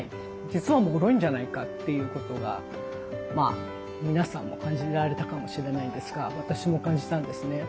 実はもろいんじゃないかということが皆さんも感じられたかもしれないんですが私も感じたんですね。